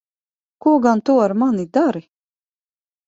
Ko gan tu ar mani dari?